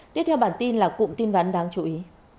tiếp theo bản tin là cụm tin ván đáng chú ý